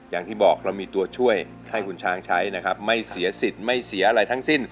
อย่างที่บอกเรามีตัวช่วยให้คุณช้างใช้นะครับไม่เสียสิทธิ์ไม่เสียอะไรทั้งสิ้น